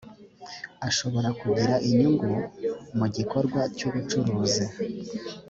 ashobora kugira inyungu mu gikorwa cy ubucuruzi